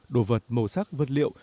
đồ vật màu sắc vật liệu